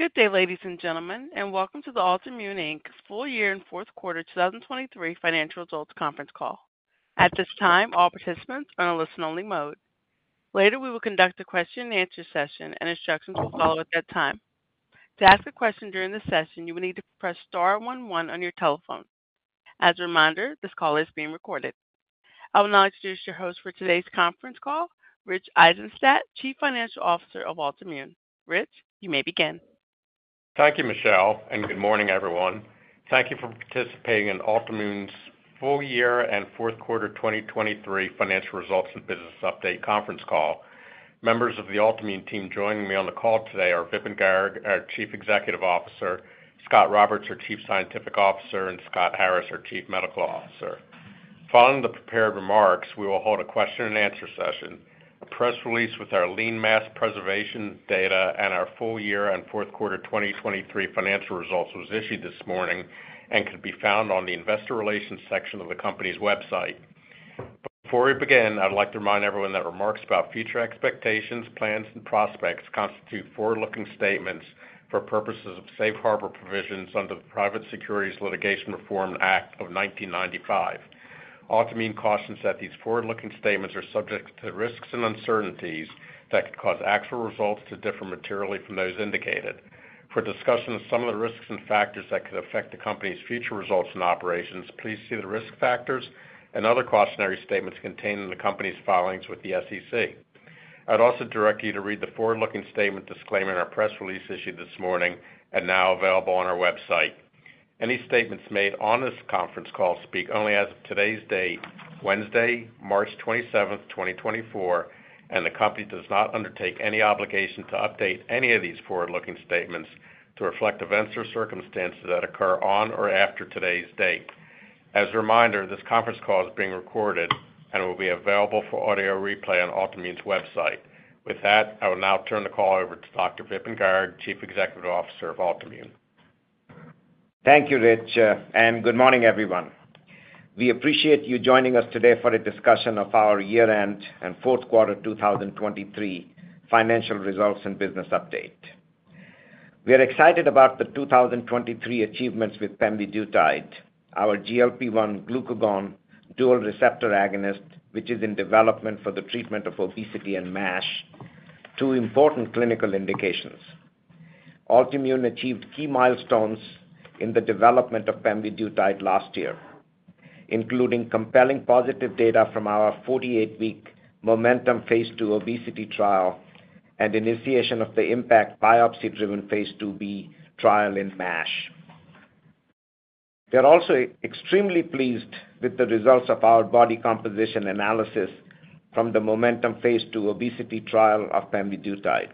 Good day, ladies and gentlemen, and welcome to the Altimmune, Inc. full year and fourth quarter 2023 financial results conference call. At this time, all participants are in a listen-only mode. Later, we will conduct a question-and-answer session, and instructions will follow at that time. To ask a question during the session, you will need to press star 11 on your telephone. As a reminder, this call is being recorded. I will now introduce your host for today's conference call, Rich Eisenstadt, Chief Financial Officer of Altimmune. Rich, you may begin. Thank you, Michelle, and good morning, everyone. Thank you for participating in Altimmune's full year and fourth quarter 2023 financial results and business update conference call. Members of the Altimmune team joining me on the call today are Vipin Garg, our Chief Executive Officer, Scot Roberts, our Chief Scientific Officer, and Scott Harris, our Chief Medical Officer. Following the prepared remarks, we will hold a question-and-answer session. A press release with our lean mass preservation data and our full year and fourth quarter 2023 financial results was issued this morning and could be found on the investor relations section of the company's website. Before we begin, I'd like to remind everyone that remarks about future expectations, plans, and prospects constitute forward-looking statements for purposes of safe harbor provisions under the Private Securities Litigation Reform Act of 1995. Altimmune cautions that these forward-looking statements are subject to risks and uncertainties that could cause actual results to differ materially from those indicated. For discussion of some of the risks and factors that could affect the company's future results and operations, please see the risk factors and other cautionary statements contained in the company's filings with the SEC. I'd also direct you to read the forward-looking statement disclaimer in our press release issued this morning and now available on our website. Any statements made on this conference call speak only as of today's date, Wednesday, March 27th, 2024, and the company does not undertake any obligation to update any of these forward-looking statements to reflect events or circumstances that occur on or after today's date. As a reminder, this conference call is being recorded and will be available for audio replay on Altimmune's website. With that, I will now turn the call over to Dr. Vipin Garg, Chief Executive Officer of Altimmune. Thank you, Rich, and good morning, everyone. We appreciate you joining us today for a discussion of our year-end and fourth quarter 2023 financial results and business update. We are excited about the 2023 achievements with pemvidutide, our GLP-1 glucagon dual receptor agonist, which is in development for the treatment of obesity and MASH, two important clinical indications. Altimmune achieved key milestones in the development of pemvidutide last year, including compelling positive data from our 48-week MOMENTUM phase II obesity trial and initiation of the IMPACT biopsy-driven phase II-B trial in MASH. We are also extremely pleased with the results of our body composition analysis from the MOMENTUM phase II obesity trial of pemvidutide,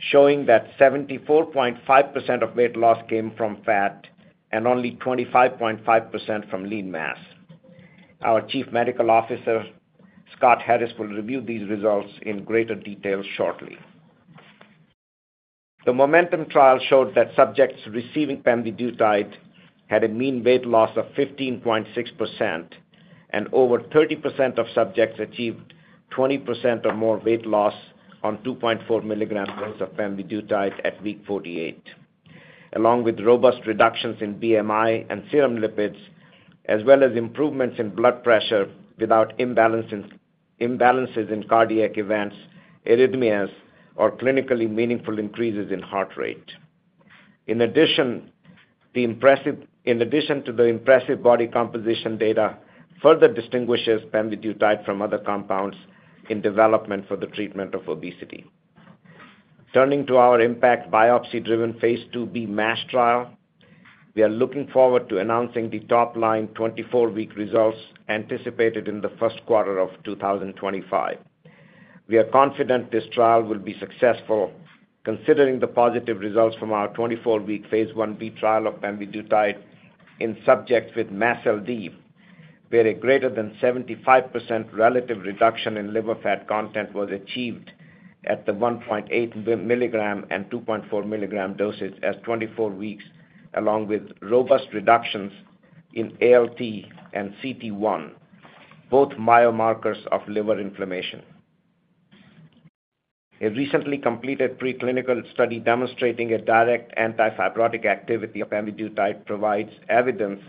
showing that 74.5% of weight loss came from fat and only 25.5% from lean mass. Our Chief Medical Officer, Scott Harris, will review these results in greater detail shortly. The MOMENTUM trial showed that subjects receiving pemvidutide had a mean weight loss of 15.6%, and over 30% of subjects achieved 20% or more weight loss on 2.4 mg of pemvidutide at week 48, along with robust reductions in BMI and serum lipids, as well as improvements in blood pressure without imbalances in cardiac events, arrhythmias, or clinically meaningful increases in heart rate. In addition, the impressive body composition data further distinguishes pemvidutide from other compounds in development for the treatment of obesity. Turning to our IMPACT biopsy-driven phase II-B MASH trial, we are looking forward to announcing the top-line 24-week results anticipated in the first quarter of 2025. We are confident this trial will be successful considering the positive results from our 24-week phase I-B trial of pemvidutide in subjects with MASLD, where a greater than 75% relative reduction in liver fat content was achieved at the 1.8 mg and 2.4 mg dosage at 24 weeks, along with robust reductions in ALT and CT1, both biomarkers of liver inflammation. A recently completed preclinical study demonstrating a direct antifibrotic activity of pemvidutide provides evidence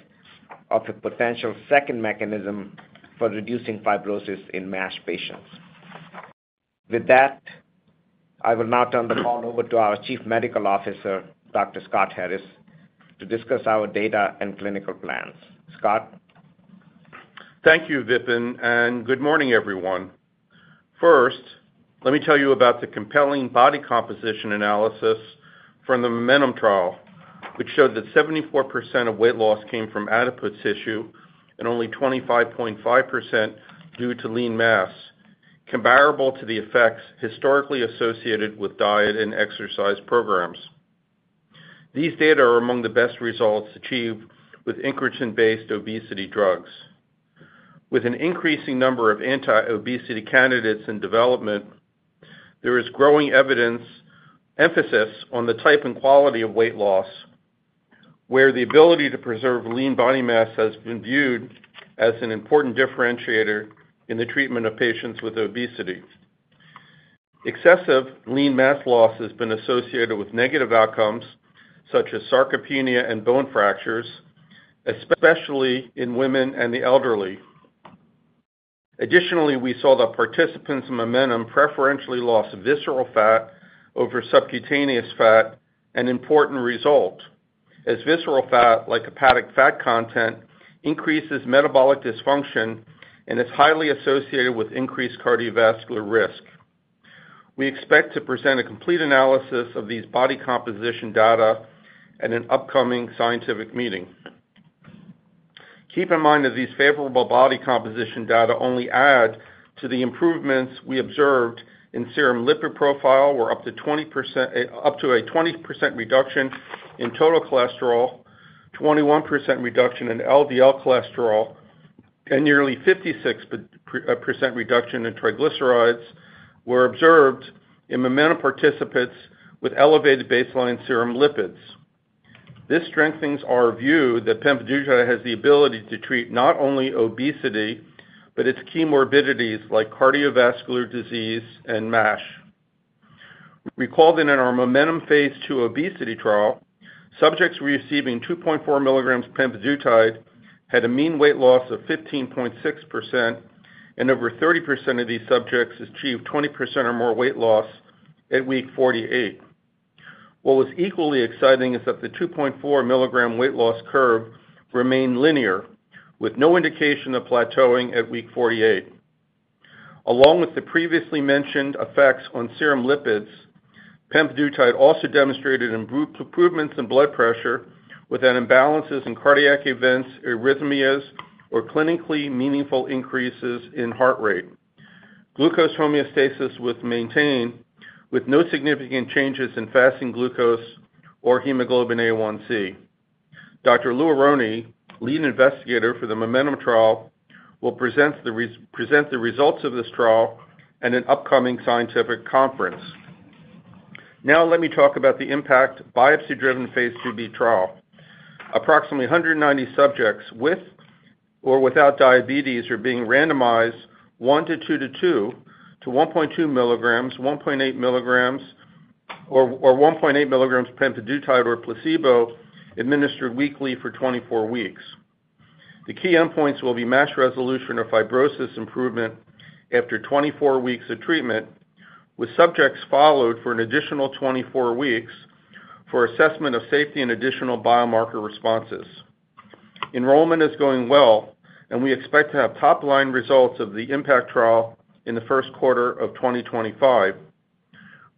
of a potential second mechanism for reducing fibrosis in MASH patients. With that, I will now turn the call over to our Chief Medical Officer, Dr. Scott Harris, to discuss our data and clinical plans. Scott. Thank you, Vipin, and good morning, everyone. First, let me tell you about the compelling body composition analysis from the MOMENTUM trial, which showed that 74% of weight loss came from adipose tissue and only 25.5% due to lean mass, comparable to the effects historically associated with diet and exercise programs. These data are among the best results achieved with incretin-based obesity drugs. With an increasing number of anti-obesity candidates in development, there is growing emphasis on the type and quality of weight loss, where the ability to preserve lean body mass has been viewed as an important differentiator in the treatment of patients with obesity. Excessive lean mass loss has been associated with negative outcomes such as sarcopenia and bone fractures, especially in women and the elderly. Additionally, we saw that participants in MOMENTUM preferentially lost visceral fat over subcutaneous fat, an important result, as visceral fat, like hepatic fat content, increases metabolic dysfunction and is highly associated with increased cardiovascular risk. We expect to present a complete analysis of these body composition data at an upcoming scientific meeting. Keep in mind that these favorable body composition data only add to the improvements we observed in serum lipid profile, where up to a 20% reduction in total cholesterol, 21% reduction in LDL cholesterol, and nearly 56% reduction in triglycerides were observed in MOMENTUM participants with elevated baseline serum lipids. This strengthens our view that pemvidutide has the ability to treat not only obesity but its key morbidities like cardiovascular disease and MASH. Recall that in our MOMENTUM phase II obesity trial, subjects receiving 2.4 mg of pemvidutide had a mean weight loss of 15.6%, and over 30% of these subjects achieved 20% or more weight loss at week 48. What was equally exciting is that the 2.4 mg weight loss curve remained linear, with no indication of plateauing at week 48. Along with the previously mentioned effects on serum lipids, pemvidutide also demonstrated improvements in blood pressure without imbalances in cardiac events, arrhythmias, or clinically meaningful increases in heart rate. Glucose homeostasis was maintained, with no significant changes in fasting glucose or hemoglobin A1c. Dr. Louis Aronne, lead investigator for the MOMENTUM trial, will present the results of this trial at an upcoming scientific conference. Now, let me talk about the IMPACT biopsy-driven phase II-B trial. Approximately 190 subjects with or without diabetes are being randomized 1:2:2 to 1.2 mg, 1.8 mg, or 1.8 mg pemvidutide or placebo administered weekly for 24 weeks. The key endpoints will be MASH resolution or fibrosis improvement after 24 weeks of treatment, with subjects followed for an additional 24 weeks for assessment of safety and additional biomarker responses. Enrollment is going well, and we expect to have top-line results of the IMPACT trial in the first quarter of 2025.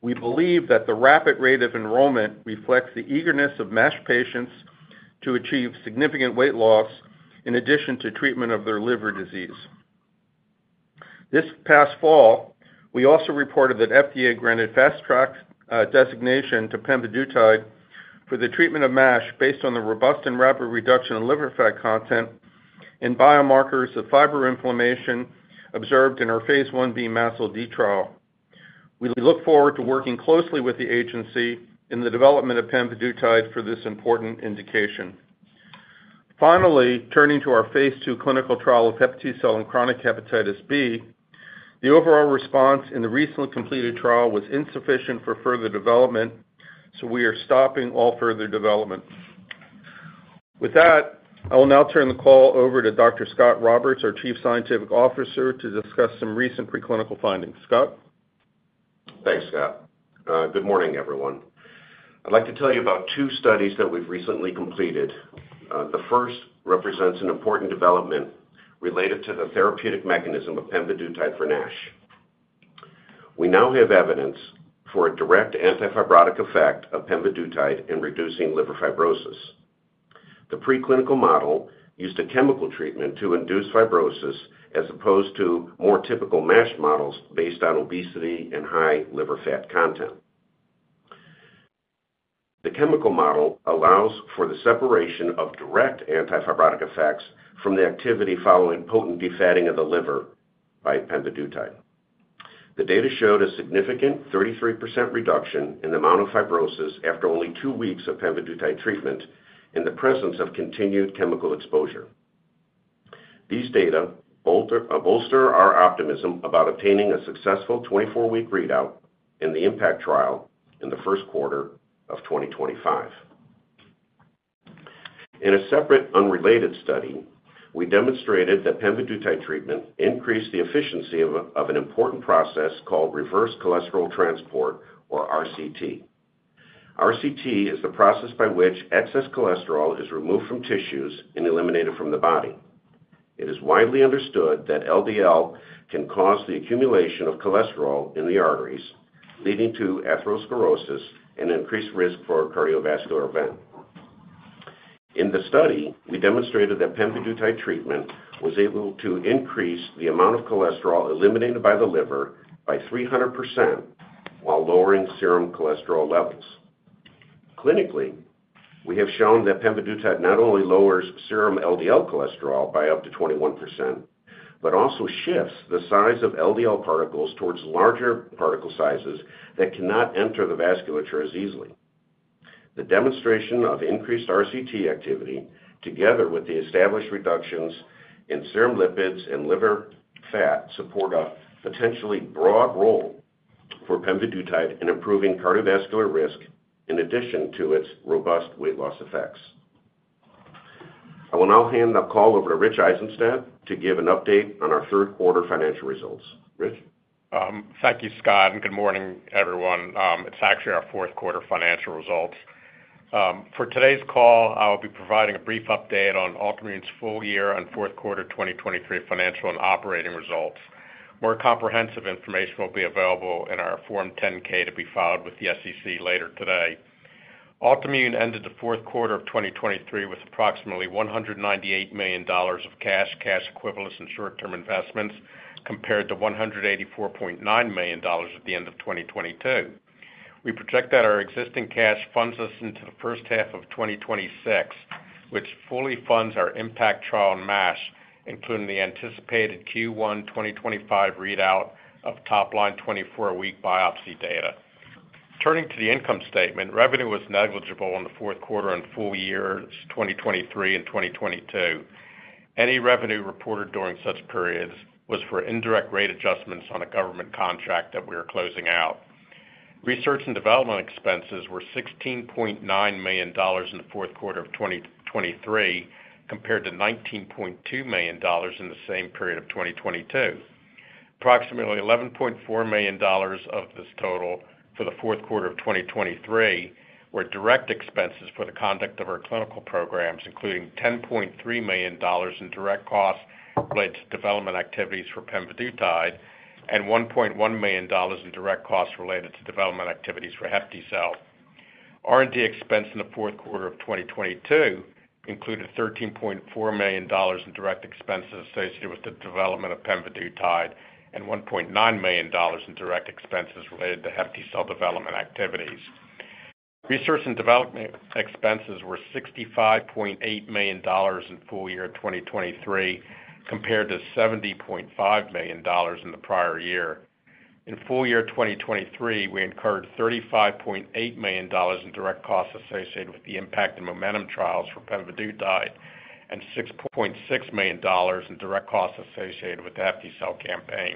We believe that the rapid rate of enrollment reflects the eagerness of MASH patients to achieve significant weight loss in addition to treatment of their liver disease. This past fall, we also reported that FDA granted fast-track designation to pemvidutide for the treatment of MASH based on the robust and rapid reduction in liver fat content and biomarkers of fibrosis and inflammation observed in our phase I-B MASLD trial. We look forward to working closely with the agency in the development of pemvidutide for this important indication. Finally, turning to our phase II clinical trial of HepTcell for chronic hepatitis B, the overall response in the recently completed trial was insufficient for further development, so we are stopping all further development. With that, I will now turn the call over to Dr. Scot Roberts, our Chief Scientific Officer, to discuss some recent preclinical findings. Scott. Thanks, Scott. Good morning, everyone. I'd like to tell you about two studies that we've recently completed. The first represents an important development related to the therapeutic mechanism of pemvidutide for NASH. We now have evidence for a direct antifibrotic effect of pemvidutide in reducing liver fibrosis. The preclinical model used a chemical treatment to induce fibrosis as opposed to more typical MASH models based on obesity and high liver fat content. The chemical model allows for the separation of direct antifibrotic effects from the activity following potent defatting of the liver by pemvidutide. The data showed a significant 33% reduction in the amount of fibrosis after only two weeks of pemvidutide treatment in the presence of continued chemical exposure. These data bolster our optimism about obtaining a successful 24-week readout in the IMPACT trial in the first quarter of 2025. In a separate unrelated study, we demonstrated that pemvidutide treatment increased the efficiency of an important process called reverse cholesterol transport, or RCT. RCT is the process by which excess cholesterol is removed from tissues and eliminated from the body. It is widely understood that LDL can cause the accumulation of cholesterol in the arteries, leading to atherosclerosis and increased risk for a cardiovascular event. In the study, we demonstrated that pemvidutide treatment was able to increase the amount of cholesterol eliminated by the liver by 300% while lowering serum cholesterol levels. Clinically, we have shown that pemvidutide not only lowers serum LDL cholesterol by up to 21% but also shifts the size of LDL particles towards larger particle sizes that cannot enter the vasculature as easily. The demonstration of increased RCT activity, together with the established reductions in serum lipids and liver fat, supports a potentially broad role for pemvidutide in improving cardiovascular risk in addition to its robust weight loss effects. I will now hand the call over to Rich Eisenstadt to give an update on our third quarter financial results. Rich. Thank you, Scott, and good morning, everyone. It's actually our fourth quarter financial results. For today's call, I will be providing a brief update on Altimmune's full year and fourth quarter 2023 financial and operating results. More comprehensive information will be available in our Form 10-K to be filed with the SEC later today. Altimmune ended the fourth quarter of 2023 with approximately $198 million of cash, cash equivalents, and short-term investments compared to $184.9 million at the end of 2022. We project that our existing cash funds us into the first half of 2026, which fully funds our IMPACT trial in MASH, including the anticipated Q1 2025 readout of top-line 24-week biopsy data. Turning to the income statement, revenue was negligible in the fourth quarter and full years 2023 and 2022. Any revenue reported during such periods was for indirect rate adjustments on a government contract that we are closing out. Research and development expenses were $16.9 million in the fourth quarter of 2023 compared to $19.2 million in the same period of 2022. Approximately $11.4 million of this total for the fourth quarter of 2023 were direct expenses for the conduct of our clinical programs, including $10.3 million in direct costs related to development activities for pemvidutide and $1.1 million in direct costs related to development activities for HepTcell. R&D expense in the fourth quarter of 2022 included $13.4 million in direct expenses associated with the development of pemvidutide and $1.9 million in direct expenses related to HepTcell development activities. Research and development expenses were $65.8 million in full year 2023 compared to $70.5 million in the prior year. In full year 2023, we incurred $35.8 million in direct costs associated with the IMPACT and MOMENTUM trials for pemvidutide and $6.6 million in direct costs associated with the HepTcell campaign.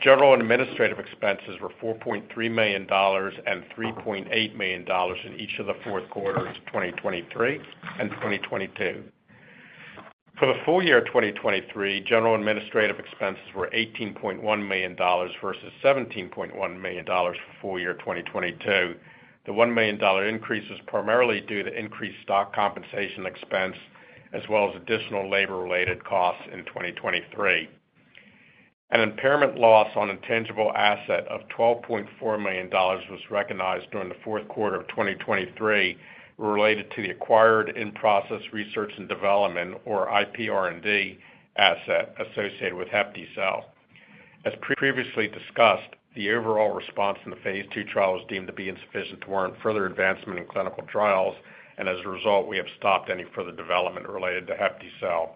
General and administrative expenses were $4.3 million and $3.8 million in each of the fourth quarters of 2023 and 2022. For the full year 2023, general and administrative expenses were $18.1 million versus $17.1 million for full year 2022. The $1 million increase was primarily due to increased stock compensation expense as well as additional labor-related costs in 2023. An impairment loss on intangible asset of $12.4 million was recognized during the fourth quarter of 2023 related to the acquired in-process research and development, or IPR&D, asset associated with HepTcell. As previously discussed, the overall response in the phase II trial was deemed to be insufficient to warrant further advancement in clinical trials, and as a result, we have stopped any further development related to HepTcell.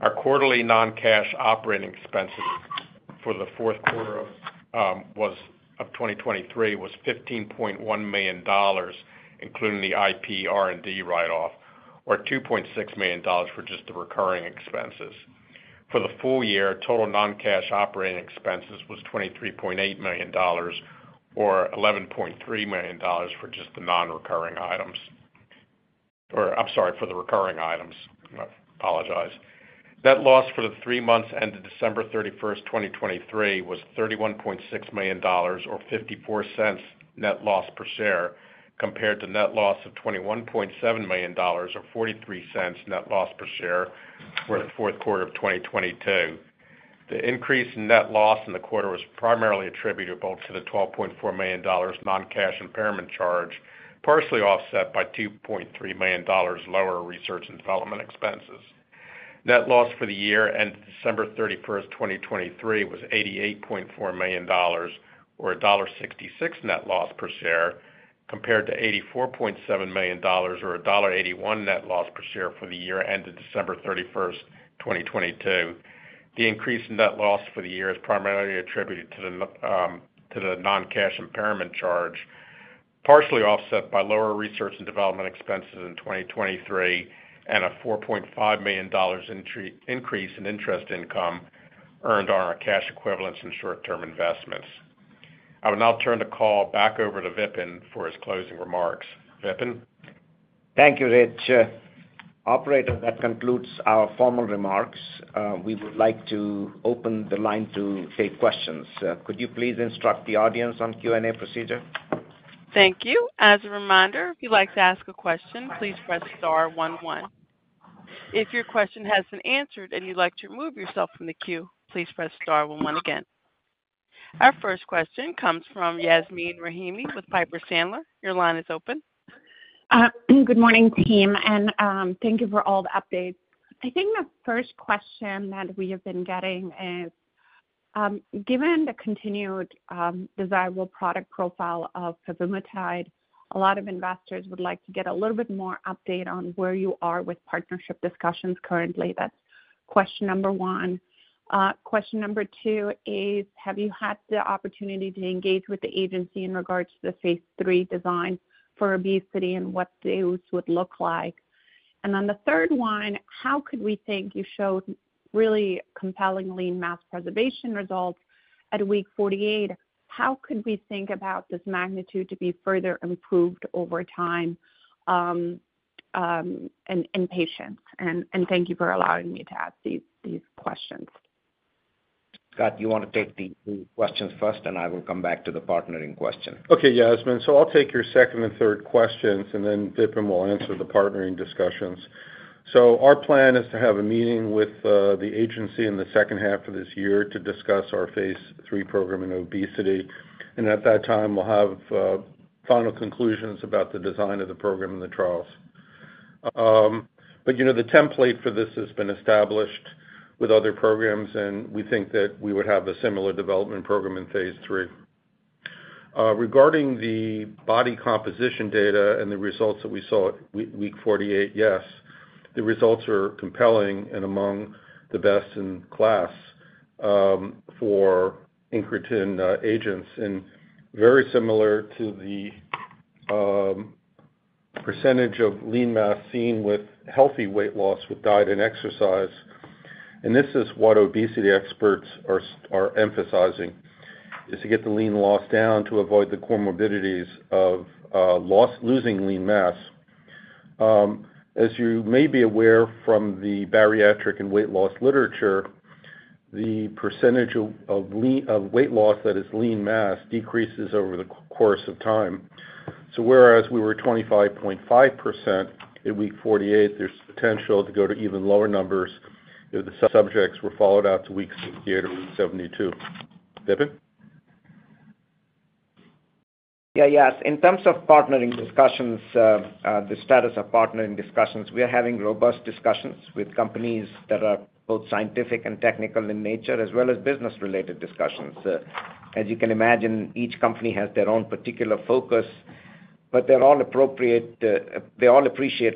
Our quarterly non-cash operating expenses for the fourth quarter of 2023 were $15.1 million, including the IPR&D write-off, or $2.6 million for just the recurring expenses. For the full year, total non-cash operating expenses were $23.8 million, or $11.3 million for just the non-recurring items. I'm sorry, for the recurring items. I apologize. Net loss for the three months ended December 31, 2023, was $31.6 million, or $0.54 net loss per share, compared to net loss of $21.7 million, or $0.43 net loss per share for the fourth quarter of 2022. The increase in net loss in the quarter was primarily attributed to the $12.4 million non-cash impairment charge, partially offset by $2.3 million lower research and development expenses. Net loss for the year ended December 31, 2023, was $88.4 million, or $1.66 net loss per share, compared to $84.7 million, or $1.81 net loss per share for the year ended December 31, 2022. The increase in net loss for the year is primarily attributed to the non-cash impairment charge, partially offset by lower research and development expenses in 2023 and a $4.5 million increase in interest income earned on our cash equivalents and short-term investments. I will now turn the call back over to Vipin for his closing remarks. Vipin. Thank you, Rich. Operator, that concludes our formal remarks. We would like to open the line to take questions. Could you please instruct the audience on the Q&A procedure? Thank you. As a reminder, if you'd like to ask a question, please press star one one. If your question has been answered and you'd like to remove yourself from the queue, please press star one one again. Our first question comes from Yasmeen Rahimi with Piper Sandler. Your line is open. Good morning, team, and thank you for all the updates. I think the first question that we have been getting is, given the continued desirable product profile of pemvidutide, a lot of investors would like to get a little bit more update on where you are with partnership discussions currently. That's question number one. Question number two is, have you had the opportunity to engage with the agency in regards to the phase III design for obesity and what those would look like? And then the third one, how could we think you showed really compelling lean mass preservation results at week 48? How could we think about this magnitude to be further improved over time in patients? And thank you for allowing me to ask these questions. Scott, you want to take the questions first, and I will come back to the partnering question. Okay, Yasmeen. I'll take your second and third questions, and then Vipin will answer the partnering discussions. Our plan is to have a meeting with the agency in the second half of this year to discuss our phase III program in obesity. At that time, we'll have final conclusions about the design of the program and the trials. But the template for this has been established with other programs, and we think that we would have a similar development program in phase III. Regarding the body composition data and the results that we saw at week 48, yes, the results are compelling and among the best in class for incretin agents and very similar to the percentage of lean mass seen with healthy weight loss with diet and exercise. This is what obesity experts are emphasizing, is to get the lean loss down to avoid the comorbidities of losing lean mass. As you may be aware from the bariatric and weight loss literature, the percentage of weight loss that is lean mass decreases over the course of time. Whereas we were 25.5% at week 48, there's potential to go to even lower numbers if the subjects were followed out to week 68 or week 72. Vipin? Yeah, yes. In terms of partnering discussions, the status of partnering discussions, we are having robust discussions with companies that are both scientific and technical in nature as well as business-related discussions. As you can imagine, each company has their own particular focus, but they all appreciate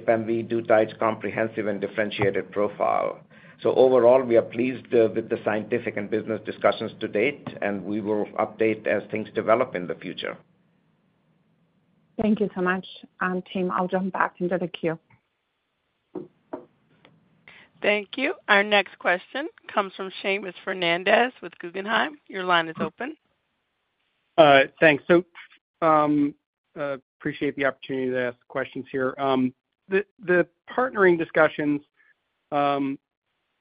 pemvidutide's comprehensive and differentiated profile. So overall, we are pleased with the scientific and business discussions to date, and we will update as things develop in the future. Thank you so much. Team, I'll jump back into the queue. Thank you. Our next question comes from Seamus Fernandez with Guggenheim. Your line is open. Thanks. So appreciate the opportunity to ask questions here. The partnering discussions,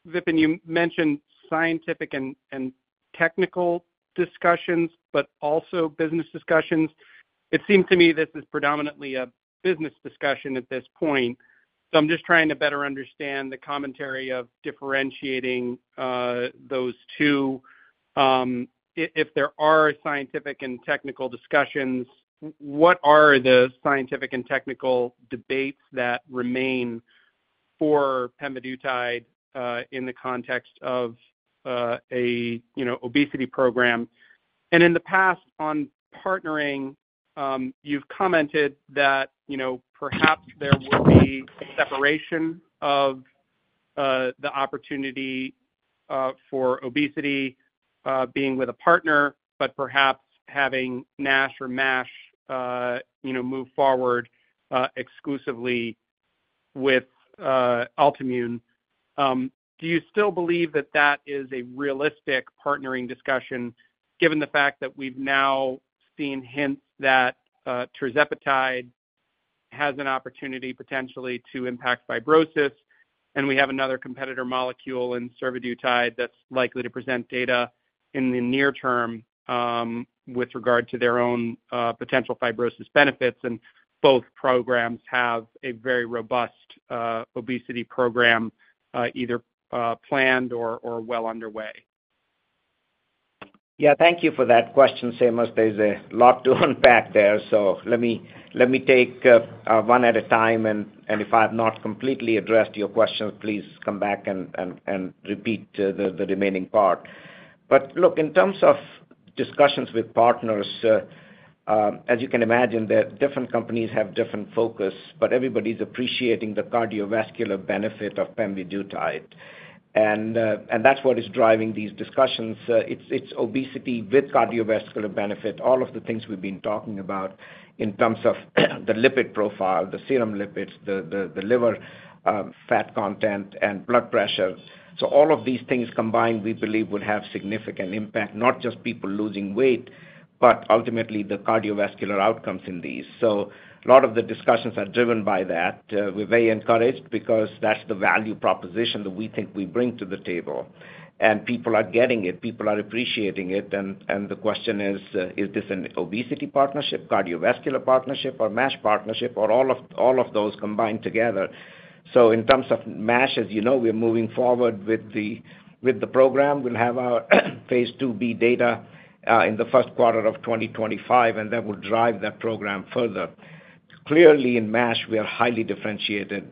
Vipin, you mentioned scientific and technical discussions but also business discussions. It seems to me this is predominantly a business discussion at this point. So I'm just trying to better understand the commentary of differentiating those two. If there are scientific and technical discussions, what are the scientific and technical debates that remain for pemvidutide in the context of an obesity program? And in the past, on partnering, you've commented that perhaps there would be a separation of the opportunity for obesity being with a partner but perhaps having NASH or MASH move forward exclusively with Altimmune. Do you still believe that that is a realistic partnering discussion given the fact that we've now seen hints that tirzepatide has an opportunity potentially to impact fibrosis, and we have another competitor molecule in survodutide that's likely to present data in the near term with regard to their own potential fibrosis benefits? And both programs have a very robust obesity program either planned or well underway. Yeah, thank you for that question, Seamus. There's a lot to unpack there. So let me take one at a time, and if I have not completely addressed your question, please come back and repeat the remaining part. But look, in terms of discussions with partners, as you can imagine, different companies have different focus, but everybody's appreciating the cardiovascular benefit of pemvidutide. And that's what is driving these discussions. It's obesity with cardiovascular benefit, all of the things we've been talking about in terms of the lipid profile, the serum lipids, the liver fat content, and blood pressure. So all of these things combined, we believe, would have significant impact, not just people losing weight but ultimately the cardiovascular outcomes in these. So a lot of the discussions are driven by that. We're very encouraged because that's the value proposition that we think we bring to the table. People are getting it. People are appreciating it. The question is, is this an obesity partnership, cardiovascular partnership, or MASH partnership, or all of those combined together? In terms of MASH, as you know, we're moving forward with the program. We'll have our phase II-B data in the first quarter of 2025, and that will drive that program further. Clearly, in MASH, we are highly differentiated.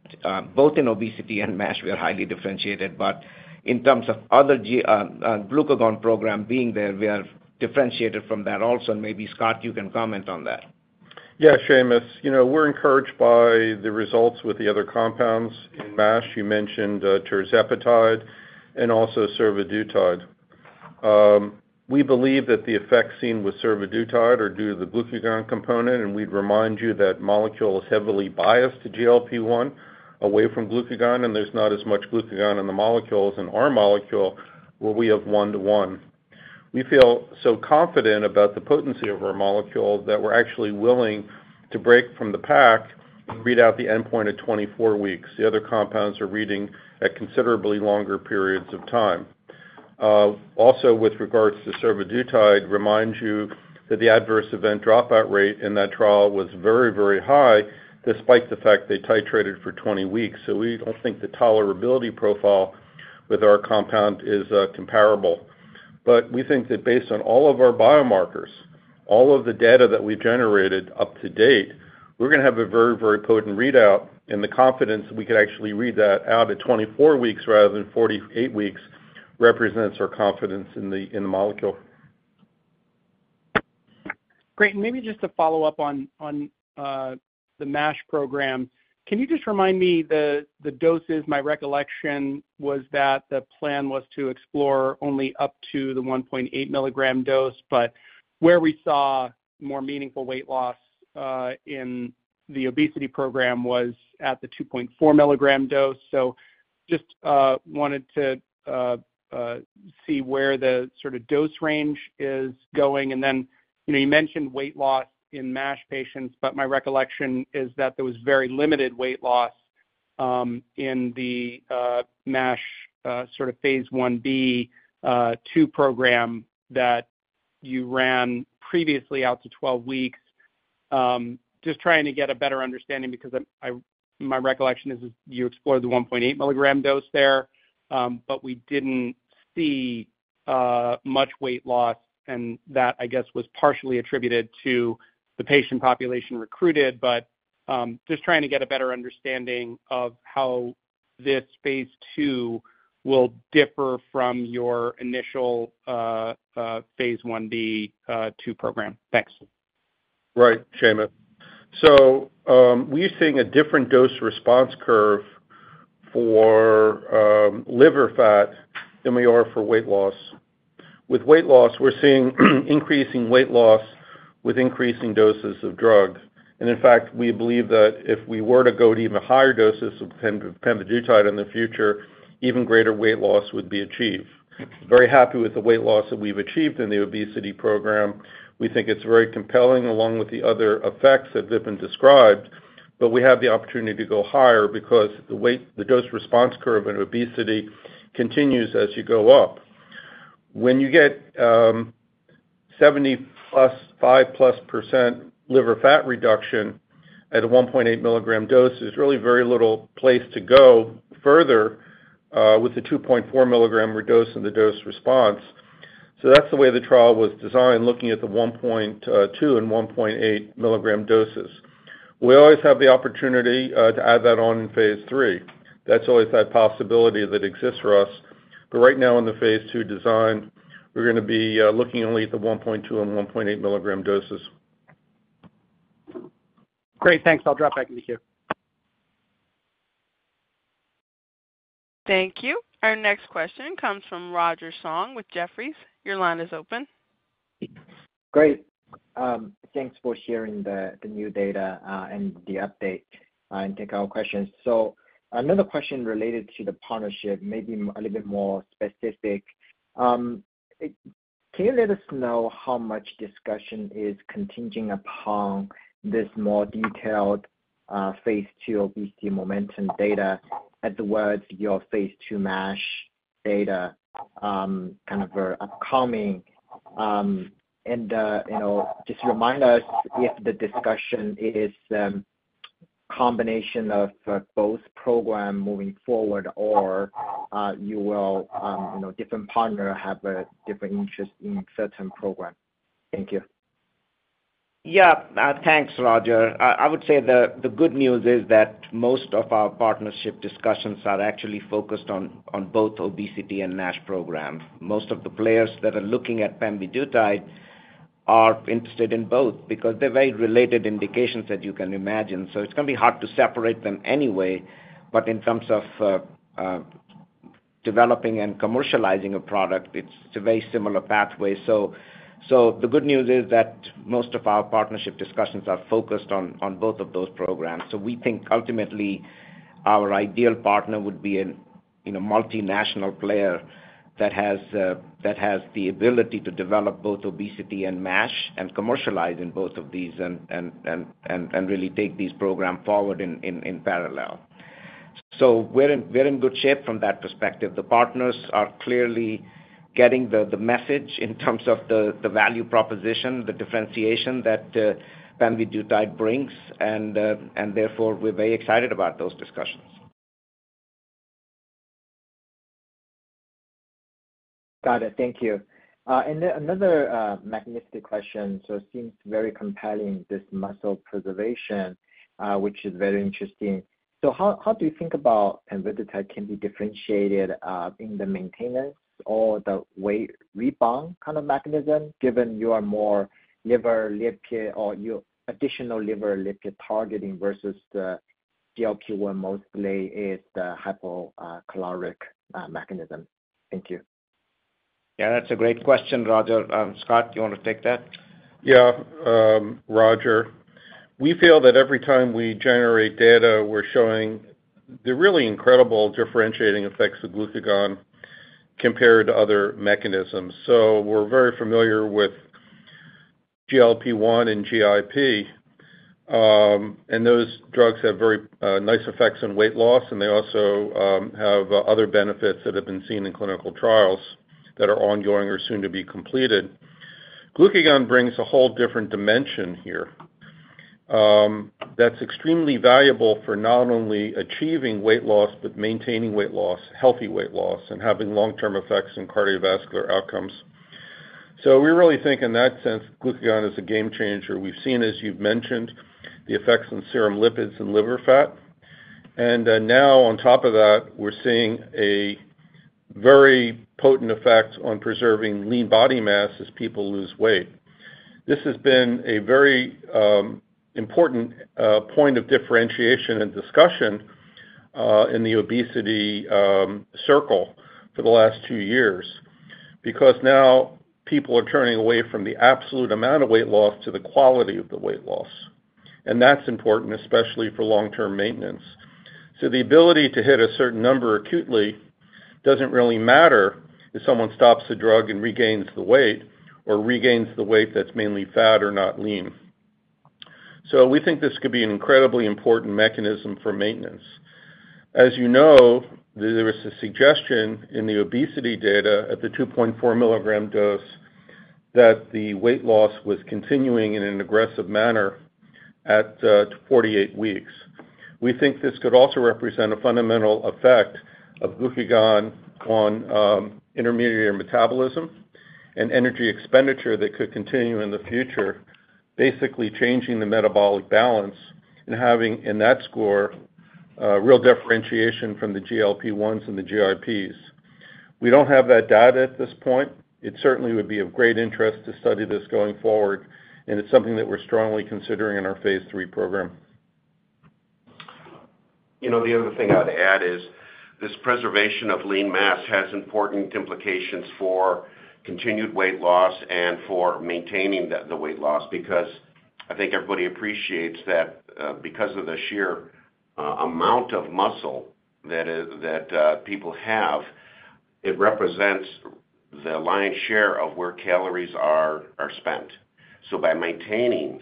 Both in obesity and MASH, we are highly differentiated. But in terms of other glucagon program being there, we are differentiated from that also. And maybe, Scott, you can comment on that. Yeah, Seamus. We're encouraged by the results with the other compounds in MASH. You mentioned tirzepatide and also survodutide. We believe that the effect seen with survodutide are due to the glucagon component. And we'd remind you that molecule is heavily biased to GLP-1, away from glucagon, and there's not as much glucagon in the molecule. And our molecule, where we have one-to-one, we feel so confident about the potency of our molecule that we're actually willing to break from the pack and read out the endpoint at 24 weeks. The other compounds are reading at considerably longer periods of time. Also, with regards to survodutide, remind you that the adverse event dropout rate in that trial was very, very high despite the fact they titrated for 20 weeks. So we don't think the tolerability profile with our compound is comparable. We think that based on all of our biomarkers, all of the data that we've generated up to date, we're going to have a very, very potent readout. The confidence that we could actually read that out at 24 weeks rather than 48 weeks represents our confidence in the molecule. Great. And maybe just to follow up on the MASH program, can you just remind me the doses? My recollection was that the plan was to explore only up to the 1.8 mg dose, but where we saw more meaningful weight loss in the obesity program was at the 2.4 mg dose. So just wanted to see where the sort of dose range is going. And then you mentioned weight loss in MASH patients, but my recollection is that there was very limited weight loss in the MASH sort of phase I-B/II program that you ran previously out to 12 weeks. Just trying to get a better understanding because my recollection is you explored the 1.8 mg dose there, but we didn't see much weight loss. And that, I guess, was partially attributed to the patient population recruited. Just trying to get a better understanding of how this phase II will differ from your initial phase I-B/II program? Thanks. Right, Seamus. So we're seeing a different dose response curve for liver fat than we are for weight loss. With weight loss, we're seeing increasing weight loss with increasing doses of drug. And in fact, we believe that if we were to go to even higher doses of pemvidutide in the future, even greater weight loss would be achieved. Very happy with the weight loss that we've achieved in the obesity program. We think it's very compelling along with the other effects that Vipin described. But we have the opportunity to go higher because the dose response curve in obesity continues as you go up. When you get 70%+, 5%+ liver fat reduction at a 1.8-mg dose, there's really very little place to go further with the 2.4 mg reduced in the dose response. So that's the way the trial was designed, looking at the 1.2- and 1.8-mg doses. We always have the opportunity to add that on in phase III. That's always that possibility that exists for us. But right now, in the phase II design, we're going to be looking only at the 1.2 and 1.8 mg doses. Great. Thanks. I'll drop back into the queue. Thank you. Our next question comes from Roger Song with Jefferies. Your line is open. Great. Thanks for sharing the new data and the update and take our questions. So another question related to the partnership, maybe a little bit more specific. Can you let us know how much discussion is contingent upon this more detailed phase II obesity MOMENTUM data as well as your phase II MASH data kind of upcoming? And just remind us if the discussion is a combination of both programs moving forward or whether different partners have a different interest in certain programs. Thank you. Yeah, thanks, Roger. I would say the good news is that most of our partnership discussions are actually focused on both obesity and NASH programs. Most of the players that are looking at pemvidutide are interested in both because they're very related indications that you can imagine. So it's going to be hard to separate them anyway. But in terms of developing and commercializing a product, it's a very similar pathway. So the good news is that most of our partnership discussions are focused on both of those programs. So we think, ultimately, our ideal partner would be a multinational player that has the ability to develop both obesity and MASH and commercialize in both of these and really take these programs forward in parallel. So we're in good shape from that perspective. The partners are clearly getting the message in terms of the value proposition, the differentiation that pemvidutide brings. Therefore, we're very excited about those discussions. Got it. Thank you. And another magnificent question. So it seems very compelling, this muscle preservation, which is very interesting. So how do you think about pemvidutide can be differentiated in the maintenance or the weight rebound kind of mechanism given you are more liver lipid or you additional liver lipid targeting versus the GLP-1 mostly is the hypocaloric mechanism? Thank you. Yeah, that's a great question, Roger. Scott, do you want to take that? Yeah, Roger. We feel that every time we generate data, we're showing the really incredible differentiating effects of glucagon compared to other mechanisms. So we're very familiar with GLP-1 and GIP. And those drugs have very nice effects on weight loss, and they also have other benefits that have been seen in clinical trials that are ongoing or soon to be completed. Glucagon brings a whole different dimension here that's extremely valuable for not only achieving weight loss but maintaining weight loss, healthy weight loss, and having long-term effects on cardiovascular outcomes. So we really think, in that sense, glucagon is a game changer. We've seen, as you've mentioned, the effects on serum lipids and liver fat. And now, on top of that, we're seeing a very potent effect on preserving lean body mass as people lose weight. This has been a very important point of differentiation and discussion in the obesity circle for the last two years because now people are turning away from the absolute amount of weight loss to the quality of the weight loss. That's important, especially for long-term maintenance. The ability to hit a certain number acutely doesn't really matter if someone stops the drug and regains the weight or regains the weight that's mainly fat or not lean. We think this could be an incredibly important mechanism for maintenance. As you know, there was a suggestion in the obesity data at the 2.4 mg dose that the weight loss was continuing in an aggressive manner at 48 weeks. We think this could also represent a fundamental effect of glucagon on intermediary metabolism and energy expenditure that could continue in the future, basically changing the metabolic balance and having, in that score, real differentiation from the GLP-1s and the GIPs. We don't have that data at this point. It certainly would be of great interest to study this going forward. It's something that we're strongly considering in our phase III program. The other thing I'd add is this preservation of lean mass has important implications for continued weight loss and for maintaining the weight loss because I think everybody appreciates that because of the sheer amount of muscle that people have, it represents the lion's share of where calories are spent. So by maintaining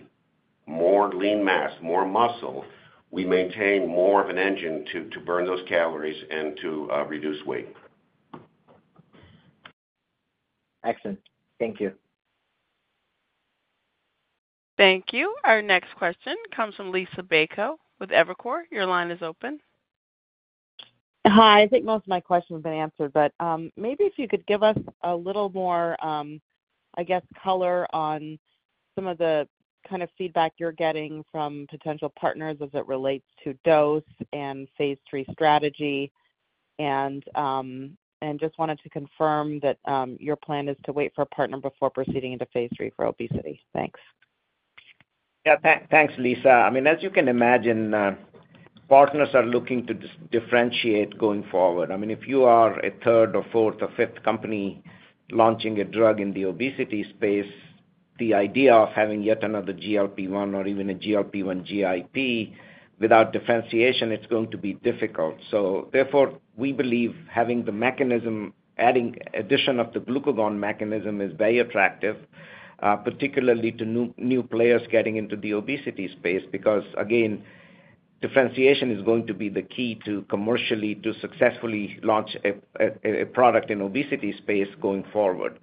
more lean mass, more muscle, we maintain more of an engine to burn those calories and to reduce weight. Excellent. Thank you. Thank you. Our next question comes from Liisa Bayko with Evercore. Your line is open. Hi. I think most of my questions have been answered. But maybe if you could give us a little more, I guess, color on some of the kind of feedback you're getting from potential partners as it relates to dose and phase III strategy. Just wanted to confirm that your plan is to wait for a partner before proceeding into phase III for obesity. Thanks. Yeah, thanks, Liisa. I mean, as you can imagine, partners are looking to differentiate going forward. I mean, if you are a third or fourth or fifth company launching a drug in the obesity space, the idea of having yet another GLP-1 or even a GLP-1 GIP without differentiation, it's going to be difficult. So therefore, we believe having the mechanism, adding addition of the glucagon mechanism, is very attractive, particularly to new players getting into the obesity space because, again, differentiation is going to be the key to commercially to successfully launch a product in obesity space going forward.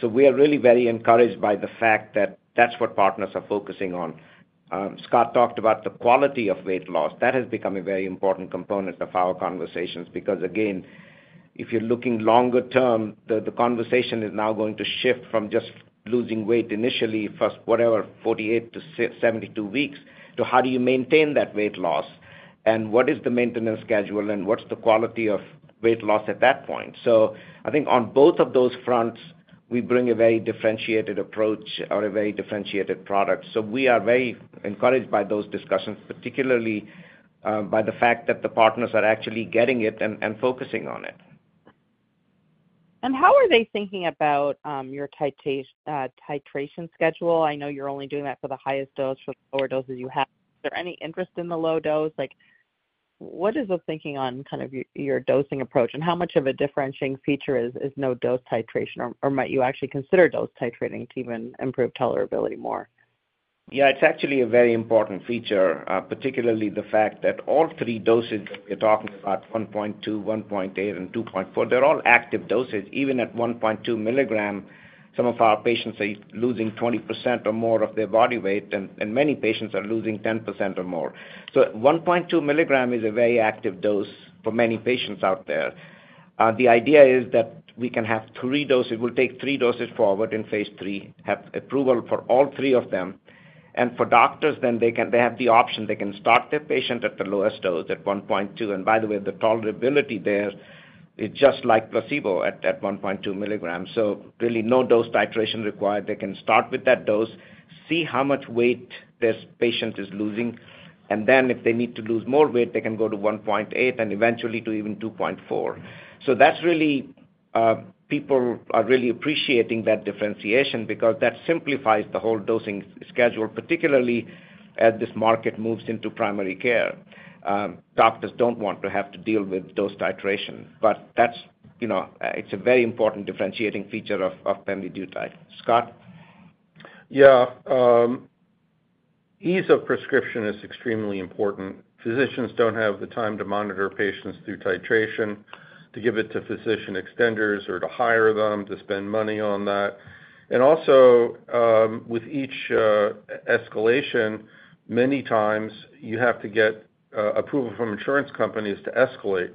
So we are really very encouraged by the fact that that's what partners are focusing on. Scott talked about the quality of weight loss. That has become a very important component of our conversations because, again, if you're looking longer term, the conversation is now going to shift from just losing weight initially, first, whatever, 48-72 weeks, to how do you maintain that weight loss? And what is the maintenance schedule? And what's the quality of weight loss at that point? So I think on both of those fronts, we bring a very differentiated approach or a very differentiated product. So we are very encouraged by those discussions, particularly by the fact that the partners are actually getting it and focusing on it. How are they thinking about your titration schedule? I know you're only doing that for the highest dose, for the lower doses you have. Is there any interest in the low dose? What is the thinking on kind of your dosing approach? How much of a differentiating feature is no dose titration? Or might you actually consider dose titrating to even improve tolerability more? Yeah, it's actually a very important feature, particularly the fact that all three doses that we're talking about, 1.2, 1.8, and 2.4, they're all active doses. Even at 1.2 mg, some of our patients are losing 20% or more of their body weight. And many patients are losing 10% or more. So 1.2 mg is a very active dose for many patients out there. The idea is that we can have three doses. We'll take three doses forward in phase III, have approval for all three of them. And for doctors, then they have the option. They can start their patient at the lowest dose, at 1.2. And by the way, the tolerability there, it's just like placebo at 1.2 mg. So really, no dose titration required. They can start with that dose, see how much weight this patient is losing. And then if they need to lose more weight, they can go to 1.8 and eventually to even 2.4. So people are really appreciating that differentiation because that simplifies the whole dosing schedule, particularly as this market moves into primary care. Doctors don't want to have to deal with dose titration. But it's a very important differentiating feature of pemvidutide. Scott? Yeah. Ease of prescription is extremely important. Physicians don't have the time to monitor patients through titration, to give it to physician extenders, or to hire them to spend money on that. And also, with each escalation, many times, you have to get approval from insurance companies to escalate.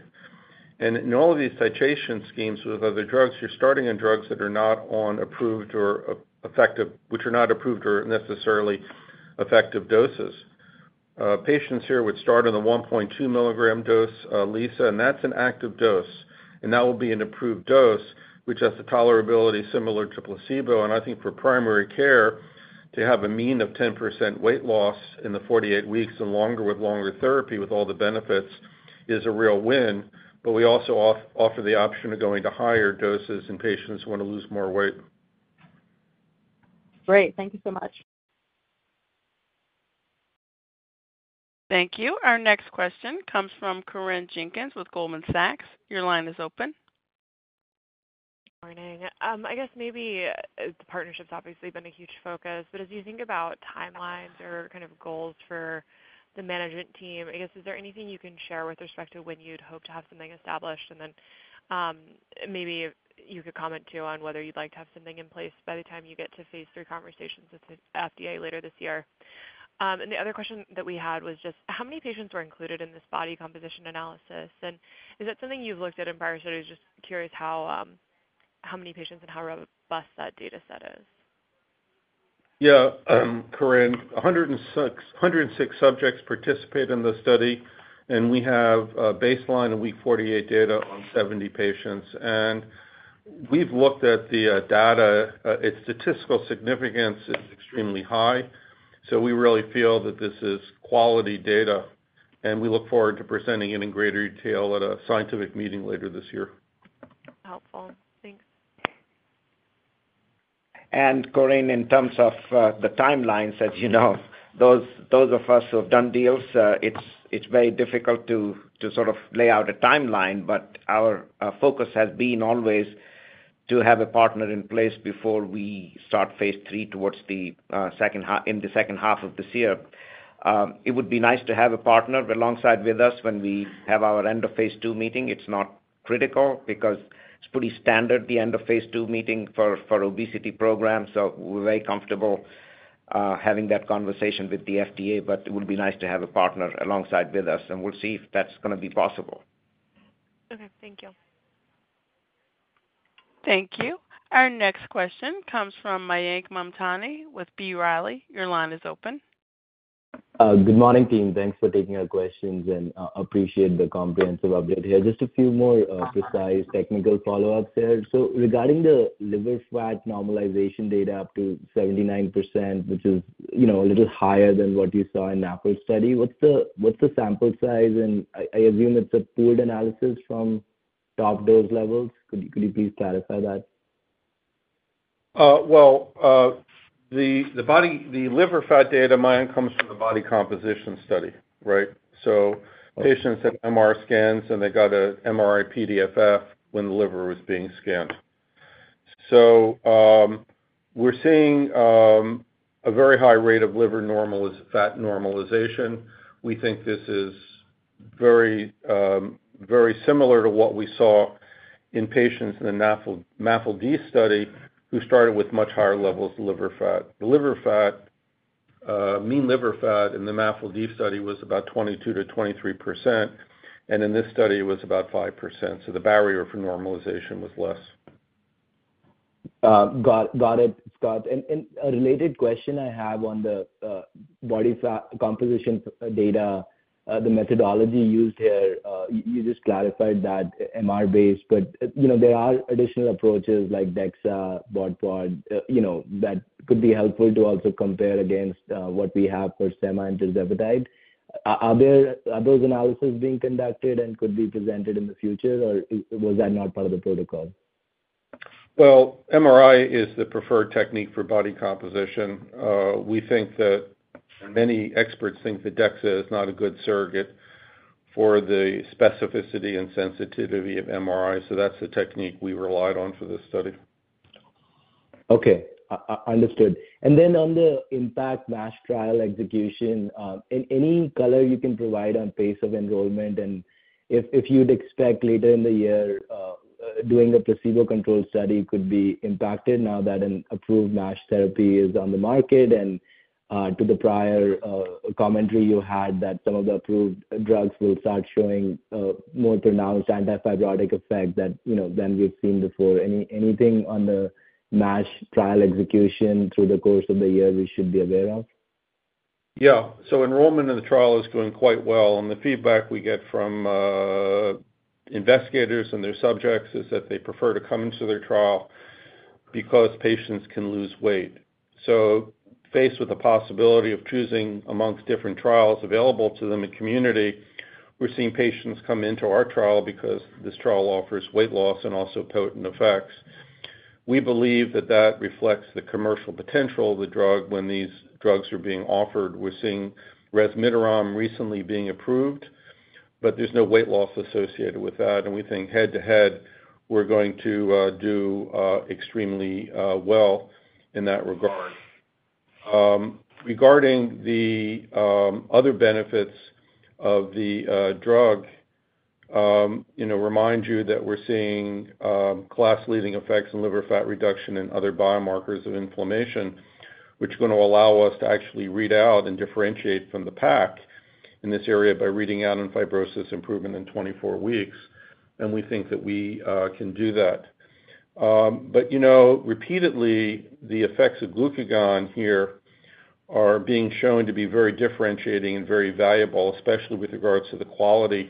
And in all of these titration schemes with other drugs, you're starting on drugs that are not on approved or effective, which are not approved or necessarily effective doses. Patients here would start on the 1.2 mgdose, Liisa. And that's an active dose. And that will be an approved dose, which has a tolerability similar to placebo. And I think for primary care, to have a mean of 10% weight loss in the 48 weeks and longer with longer therapy with all the benefits is a real win. But we also offer the option of going to higher doses in patients who want to lose more weight. Great. Thank you so much. Thank you. Our next question comes from Corinne Jenkins with Goldman Sachs. Your line is open. Good morning. I guess maybe the partnership's obviously been a huge focus. But as you think about timelines or kind of goals for the management team, I guess is there anything you can share with respect to when you'd hope to have something established? And then maybe you could comment too on whether you'd like to have something in place by the time you get to phase III conversations with the FDA later this year. And the other question that we had was just how many patients were included in this body composition analysis? And is that something you've looked at in prior studies? Just curious how many patients and how robust that data set is. Yeah, Corinne. 106 subjects participate in the study. We have baseline in week 48 data on 70 patients. We've looked at the data. Its statistical significance is extremely high. We really feel that this is quality data. We look forward to presenting it in greater detail at a scientific meeting later this year. Helpful. Thanks. And Corinne, in terms of the timelines, as you know, those of us who have done deals, it's very difficult to sort of lay out a timeline. But our focus has been always to have a partner in place before we start phase III towards the second in the second half of this year. It would be nice to have a partner alongside with us when we have our end-of-phase II meeting. It's not critical because it's pretty standard, the end-of-phase II meeting, for obesity programs. So we're very comfortable having that conversation with the FDA. But it would be nice to have a partner alongside with us. And we'll see if that's going to be possible. Okay. Thank you. Thank you. Our next question comes from Mayank Mamtani with B. Riley. Your line is open. Good morning, team. Thanks for taking our questions. Appreciate the comprehensive update here. Just a few more precise technical follow-ups here. Regarding the liver fat normalization data up to 79%, which is a little higher than what you saw in the NAFLD study, what's the sample size? I assume it's a pooled analysis from top dose levels. Could you please clarify that? Well, the liver fat data, Mayank, comes from the body composition study, right? So patients had MR scans, and they got an MRI-PDFF when the liver was being scanned. So we're seeing a very high rate of liver fat normalization. We think this is very, very similar to what we saw in patients in the MASLD study who started with much higher levels of liver fat. The mean liver fat in the MASLD study was about 22%-23%. And in this study, it was about 5%. So the barrier for normalization was less. Got it, Scott. And a related question I have on the body composition data, the methodology used here. You just clarified that MR-based. But there are additional approaches like DEXA, BOD POD that could be helpful to also compare against what we have for semaglutide and tirzepatide. Are those analyses being conducted and could be presented in the future? Or was that not part of the protocol? Well, MRI is the preferred technique for body composition. We think that many experts think that DEXA is not a good surrogate for the specificity and sensitivity of MRI. So that's the technique we relied on for this study. Okay. Understood. And then on the IMPACT MASH trial execution, any color you can provide on pace of enrollment and if you'd expect later in the year, doing a placebo-controlled study could be impacted now that an approved MASH therapy is on the market? And to the prior commentary you had that some of the approved drugs will start showing more pronounced antifibrotic effect than we've seen before, anything on the MASH trial execution through the course of the year we should be aware of? Yeah. So enrollment in the trial is going quite well. And the feedback we get from investigators and their subjects is that they prefer to come into their trial because patients can lose weight. So faced with the possibility of choosing amongst different trials available to them in community, we're seeing patients come into our trial because this trial offers weight loss and also potent effects. We believe that that reflects the commercial potential of the drug when these drugs are being offered. We're seeing resmetirom recently being approved. But there's no weight loss associated with that. And we think head-to-head, we're going to do extremely well in that regard. Regarding the other benefits of the drug, remind you that we're seeing class-leading effects in liver fat reduction and other biomarkers of inflammation, which are going to allow us to actually read out and differentiate from the pack in this area by reading out on fibrosis improvement in 24 weeks. We think that we can do that. Repeatedly, the effects of glucagon here are being shown to be very differentiating and very valuable, especially with regards to the quality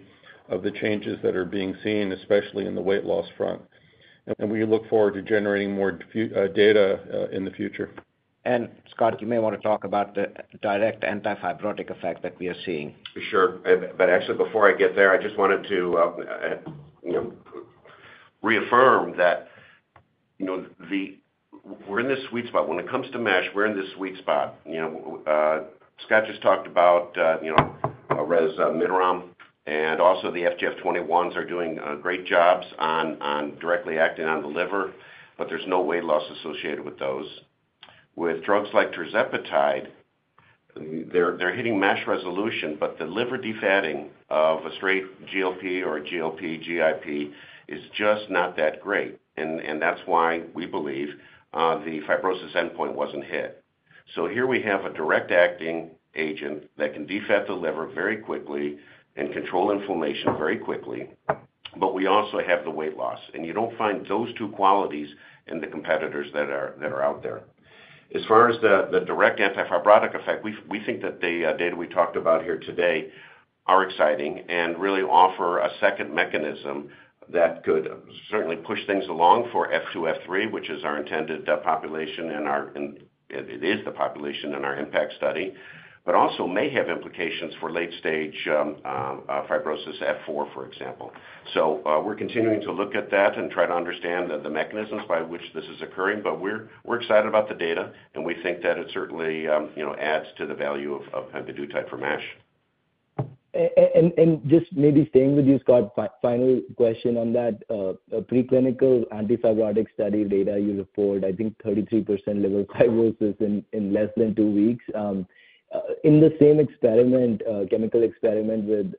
of the changes that are being seen, especially in the weight loss front. We look forward to generating more data in the future. Scott, you may want to talk about the direct antifibrotic effect that we are seeing. For sure. But actually, before I get there, I just wanted to reaffirm that we're in this sweet spot. When it comes to MASH, we're in this sweet spot. Scott just talked about resmetirom. And also, the FGF21s are doing great jobs on directly acting on the liver. But there's no weight loss associated with those. With drugs like tirzepatide, they're hitting MASH resolution. But the liver defatting of a straight GLP or a GLP-GIP is just not that great. And that's why we believe the fibrosis endpoint wasn't hit. So here we have a direct-acting agent that can defat the liver very quickly and control inflammation very quickly. But we also have the weight loss. And you don't find those two qualities in the competitors that are out there. As far as the direct antifibrotic effect, we think that the data we talked about here today are exciting and really offer a second mechanism that could certainly push things along for F2, F3, which is our intended population. And it is the population in our IMPACT study, but also may have implications for late-stage fibrosis F4, for example. So we're continuing to look at that and try to understand the mechanisms by which this is occurring. But we're excited about the data. And we think that it certainly adds to the value of pemvidutide for MASH. Just maybe staying with you, Scott, final question on that. Preclinical antifibrotic study data, you report, I think, 33% liver fibrosis in less than two weeks. In the same chemical experiment with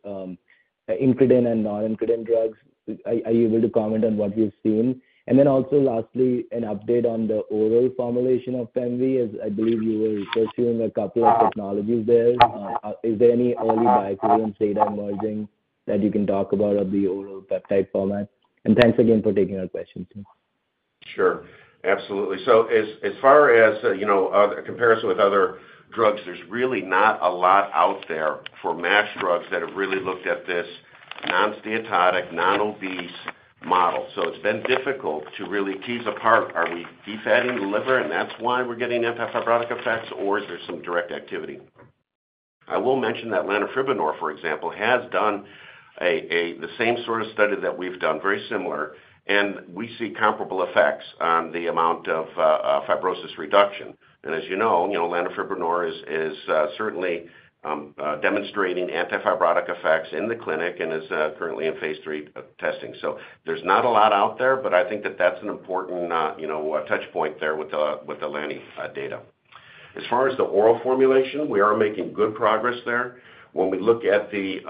incretin and non-incretin drugs, are you able to comment on what we've seen? And then also, lastly, an update on the oral formulation of pemvidutide, as I believe you were pursuing a couple of technologies there. Is there any early biochemicals and data emerging that you can talk about of the oral peptide format? And thanks again for taking our questions, team. Sure. Absolutely. So as far as comparison with other drugs, there's really not a lot out there for MASH drugs that have really looked at this non-steatotic, non-obese model. So it's been difficult to really tease apart, are we defatting the liver, and that's why we're getting antifibrotic effects, or is there some direct activity? I will mention that lanifibranor, for example, has done the same sort of study that we've done, very similar. And we see comparable effects on the amount of fibrosis reduction. And as you know, lanifibranor is certainly demonstrating antifibrotic effects in the clinic and is currently in phase III testing. So there's not a lot out there. But I think that that's an important touchpoint there with the Rani data. As far as the oral formulation, we are making good progress there. When we look at the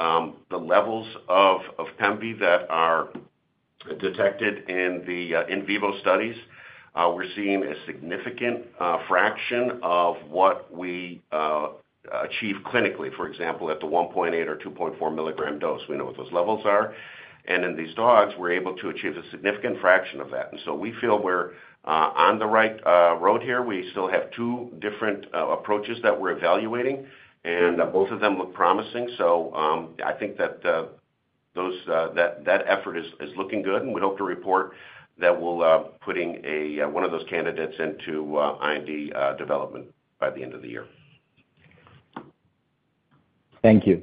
levels of pemvidutide that are detected in the in vivo studies, we're seeing a significant fraction of what we achieve clinically, for example, at the 1.8 or 2.4 mg dose. We know what those levels are. And in these dogs, we're able to achieve a significant fraction of that. And so we feel we're on the right road here. We still have two different approaches that we're evaluating. And both of them look promising. So I think that that effort is looking good. And we hope to report that we'll be putting one of those candidates into IND development by the end of the year. Thank you.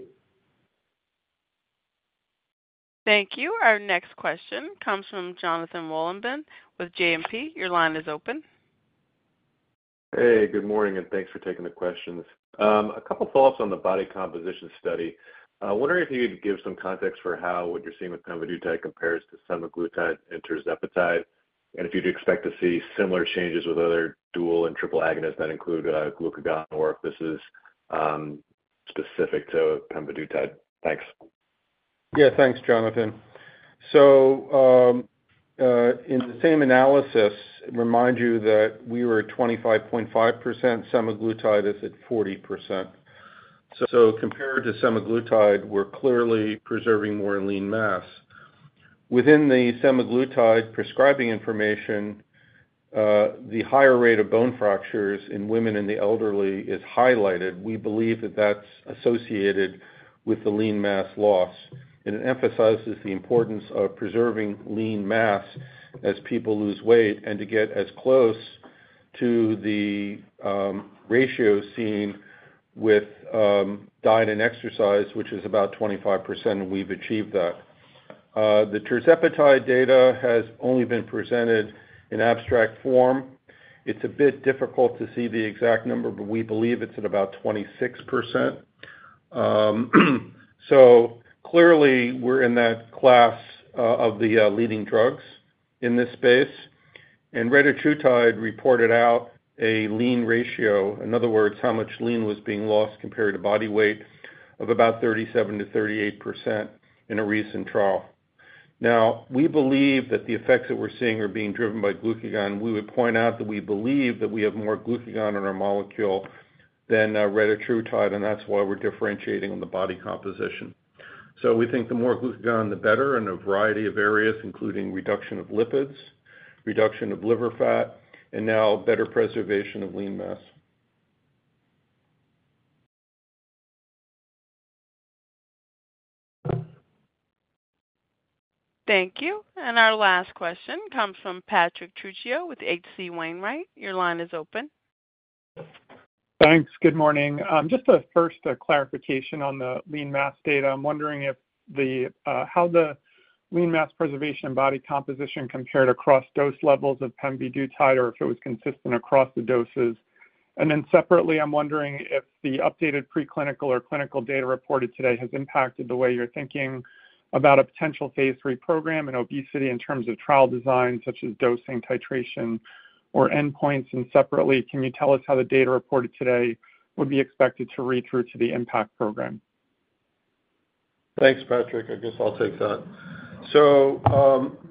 Thank you. Our next question comes from Jonathan Wolleben with JMP. Your line is open. Hey. Good morning. Thanks for taking the questions. A couple of follow-ups on the body composition study. Wondering if you could give some context for how what you're seeing with pemvidutide compares to semaglutide and tirzepatide, and if you'd expect to see similar changes with other dual and triple agonists that include glucagon or if this is specific to pemvidutide. Thanks. Yeah. Thanks, Jonathan. So in the same analysis, remind you that we were at 25.5%. Semaglutide is at 40%. So compared to semaglutide, we're clearly preserving more lean mass. Within the semaglutide prescribing information, the higher rate of bone fractures in women and the elderly is highlighted. We believe that that's associated with the lean mass loss. And it emphasizes the importance of preserving lean mass as people lose weight and to get as close to the ratio seen with diet and exercise, which is about 25%. And we've achieved that. The tirzepatide data has only been presented in abstract form. It's a bit difficult to see the exact number. But we believe it's at about 26%. So clearly, we're in that class of the leading drugs in this space. Retatrutide reported out a lean ratio, in other words, how much lean was being lost compared to body weight, of about 37%-38% in a recent trial. Now, we believe that the effects that we're seeing are being driven by glucagon. We would point out that we believe that we have more glucagon in our molecule than retatrutide. And that's why we're differentiating on the body composition. So we think the more glucagon, the better, in a variety of areas, including reduction of lipids, reduction of liver fat, and now better preservation of lean mass. Thank you. Our last question comes from Patrick Trucchio with H.C. Wainwright. Your line is open. Thanks. Good morning. Just first, a clarification on the lean mass data. I'm wondering how the lean mass preservation and body composition compared across dose levels of pemvidutide or if it was consistent across the doses? And then separately, I'm wondering if the updated preclinical or clinical data reported today has impacted the way you're thinking about a potential phase III program in obesity in terms of trial design, such as dosing, titration, or endpoints? And separately, can you tell us how the data reported today would be expected to read through to the IMPACT program? Thanks, Patrick. I guess I'll take that. So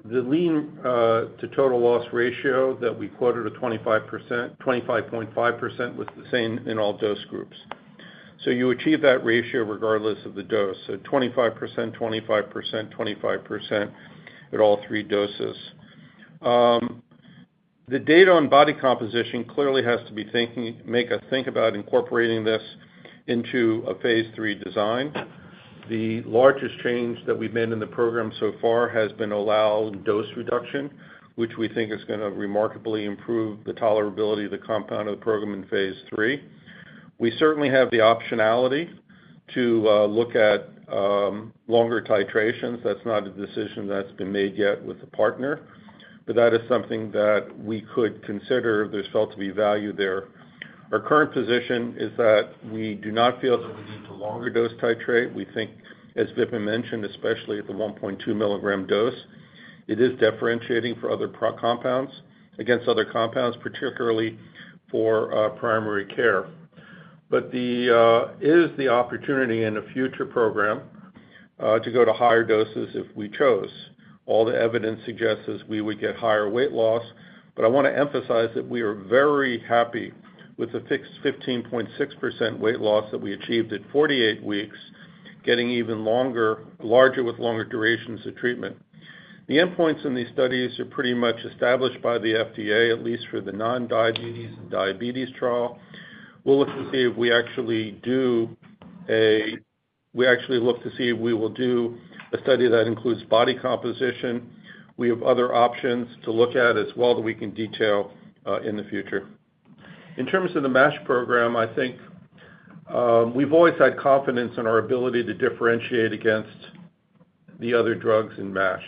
the lean-to-total-loss ratio that we quoted at 25.5% was the same in all dose groups. So you achieve that ratio regardless of the dose, so 25%, 25%, 25% at all three doses. The data on body composition clearly has to make us think about incorporating this into a phase III design. The largest change that we've made in the program so far has been allowing dose reduction, which we think is going to remarkably improve the tolerability of the compound of the program in phase III. We certainly have the optionality to look at longer titrations. That's not a decision that's been made yet with the partner. But that is something that we could consider if there's felt to be value there. Our current position is that we do not feel that we need to longer dose titrate. We think, as Vipin mentioned, especially at the 1.2 mg dose, it is differentiating against other compounds, particularly for primary care. But is the opportunity in a future program to go to higher doses if we chose? All the evidence suggests that we would get higher weight loss. But I want to emphasize that we are very happy with the fixed 15.6% weight loss that we achieved at 48 weeks, getting larger with longer durations of treatment. The endpoints in these studies are pretty much established by the FDA, at least for the non-diabetes and diabetes trial. We'll look to see if we actually will do a study that includes body composition. We have other options to look at as well that we can detail in the future. In terms of the MASH program, I think we've always had confidence in our ability to differentiate against the other drugs in MASH.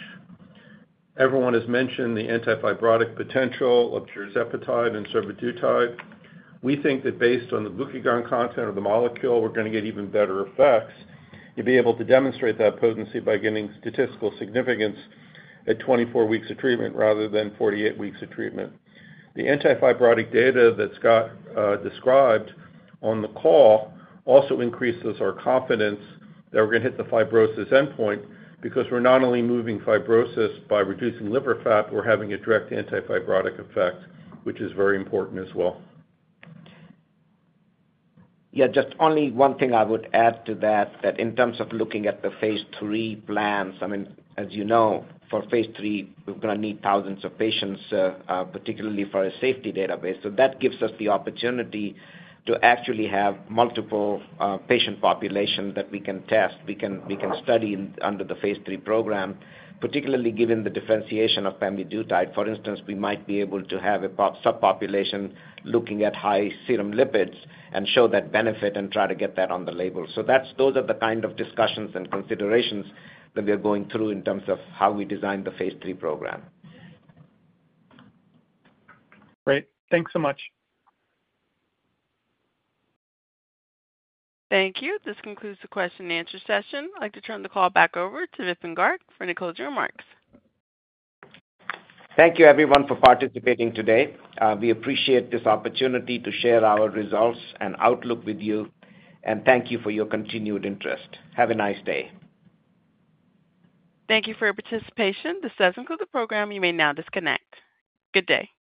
Everyone has mentioned the antifibrotic potential of tirzepatide and survodutide. We think that based on the glucagon content of the molecule, we're going to get even better effects and be able to demonstrate that potency by getting statistical significance at 24 weeks of treatment rather than 48 weeks of treatment. The antifibrotic data that Scott described on the call also increases our confidence that we're going to hit the fibrosis endpoint because we're not only moving fibrosis by reducing liver fat. We're having a direct antifibrotic effect, which is very important as well. Yeah. Just only one thing I would add to that, that in terms of looking at the phase III plans, I mean, as you know, for phase III, we're going to need thousands of patients, particularly for a safety database. So that gives us the opportunity to actually have multiple patient populations that we can test. We can study under the phase III program, particularly given the differentiation of pemvidutide. For instance, we might be able to have a subpopulation looking at high serum lipids and show that benefit and try to get that on the label. So those are the kind of discussions and considerations that we are going through in terms of how we design the phase III program. Great. Thanks so much. Thank you. This concludes the question and answer session. I'd like to turn the call back over to Vipin Garg for any closing remarks. Thank you, everyone, for participating today. We appreciate this opportunity to share our results and outlook with you. Thank you for your continued interest. Have a nice day. Thank you for your participation. This does conclude the program. You may now disconnect. Good day.